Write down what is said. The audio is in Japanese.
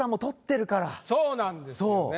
そうなんですよね。